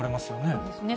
そうですね。